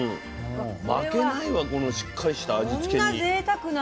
負けないわこのしっかりした味付けに。